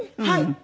はい。